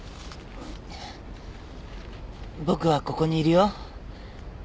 僕はここにいるよ。